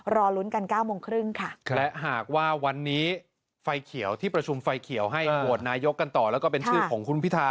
รอลุ้นกัน๙โมงครึ่งค่ะและหากว่าวันนี้ไฟเขียวที่ประชุมไฟเขียวให้โหวตนายกกันต่อแล้วก็เป็นชื่อของคุณพิธา